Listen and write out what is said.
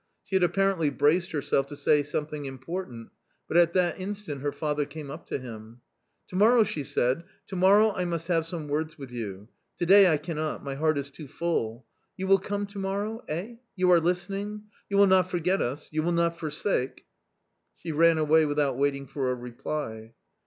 She had apparently braced herself to say something important, but at that instant her father came up to him. " To morrow," she said, " to morrow I must have some words with you ; to day I cannot ; my heart is too full You will come to morrow ? eh ? you are listening ? you will not forget us ? you will not forsake ?.... She ran away without waiting for a reply.